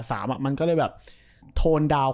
๘๓อ่ะมันก็เลยแบบโทนดาวน์